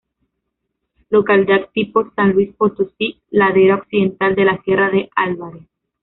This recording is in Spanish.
Localidad tipo: San Luis Potosí: ladera occidental de la Sierra de Álvarez.